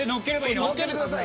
のっけてください。